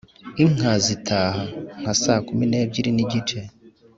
inka zitaha (nka saa kumu n’ebyiri n’igice)